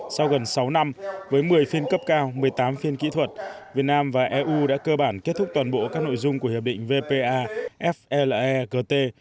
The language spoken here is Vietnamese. sau gần sáu năm với một mươi phiên cấp cao một mươi tám phiên kỹ thuật việt nam và eu đã cơ bản kết thúc toàn bộ các nội dung của hiệp định vpa flegt